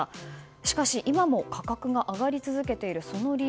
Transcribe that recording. しかし、今も価格が上がり続けている理由